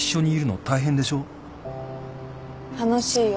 楽しいよ。